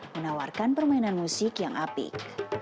menawarkan permainan musik yang apik